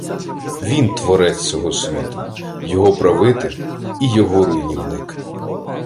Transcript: Він творець цього світу, його правитель і його руйнівник.